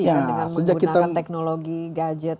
dengan menggunakan teknologi gadget